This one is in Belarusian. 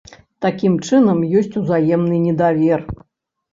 Такім чынам, ёсць узаемны недавер.